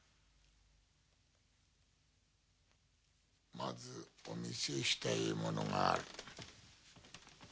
まずお見せしたいものがある。